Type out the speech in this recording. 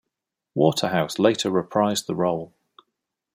Waterhouse later reprised the role.